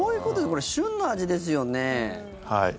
これ、旬の味ですよね？